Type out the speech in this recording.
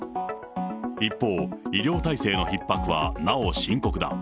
一方、医療体制のひっ迫はなお深刻だ。